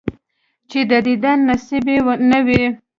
چې د دیدن نصیب یې نه وي،